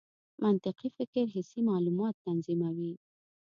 منطقي فکر حسي معلومات تنظیموي.